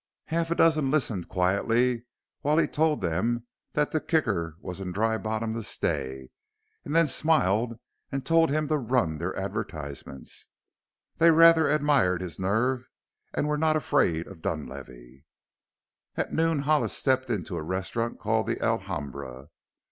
Half a dozen listened quietly while he told them that the Kicker was in Dry Bottom to stay and then smiled and told him to run their advertisements. They rather admired his "nerve" and were not afraid of Dunlavey. At noon Hollis stepped into a restaurant called the Alhambra.